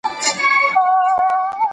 زه اوږده وخت چپنه پاکوم!